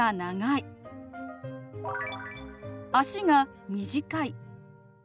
「足が短い」。